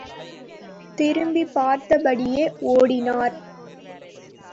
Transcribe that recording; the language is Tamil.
திரும்பிப் பார்த்தபடியே ஓடினார்.